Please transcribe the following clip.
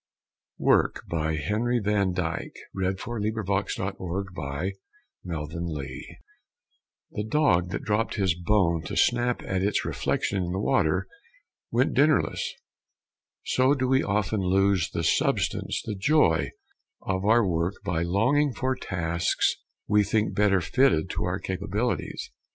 stration: HENRY VAN DYKE] WORK The dog that dropped his bone to snap at its reflection in the water went dinnerless. So do we often lose the substance the joy of our work by longing for tasks we think better fitted to our capabilities.